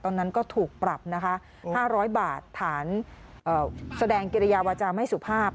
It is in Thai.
ตอนนั้นก็ถูกปรับนะคะ๕๐๐บาทฐานแสดงกิริยาวาจาไม่สุภาพ